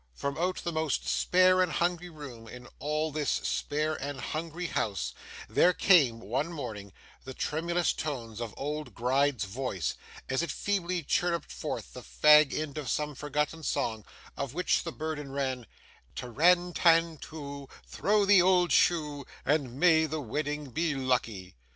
From out the most spare and hungry room in all this spare and hungry house there came, one morning, the tremulous tones of old Gride's voice, as it feebly chirruped forth the fag end of some forgotten song, of which the burden ran: Ta ran tan too, Throw the old shoe, And may the wedding be lucky!